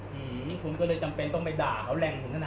หื้มก็เลยจำเป็นต้องไปด่าเขาแรงขนาดนั้นเนอะ